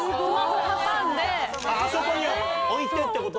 あそこに置いてってこと？